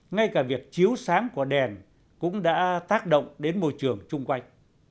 ngay cả việc chiếu sáng của đèn cũng đã tác động đến môi trường chung quanh